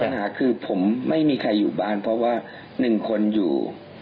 ปัญหาคือผมไม่มีใครอยู่บ้านเพราะว่า๑คนอยู่